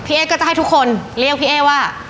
เอ๊ก็จะให้ทุกคนเรียกพี่เอ๊ว่า